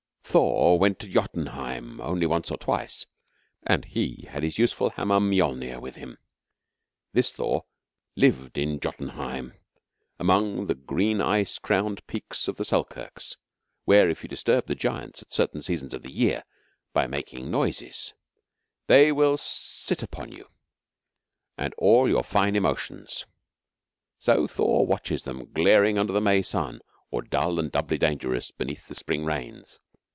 Thor went to Jotunheim only once or twice, and he had his useful hammer Miolnr with him. This Thor lived in Jotunheim among the green ice crowned peaks of the Selkirks where if you disturb the giants at certain seasons of the year, by making noises, they will sit upon you and all your fine emotions. So Thor watches them glaring under the May sun, or dull and doubly dangerous beneath the spring rains.